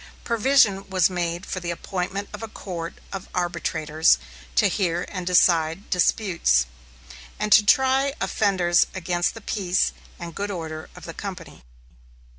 Provision was made for the appointment of a court of arbitrators to hear and decide disputes, and to try offenders against the peace and good order of the company.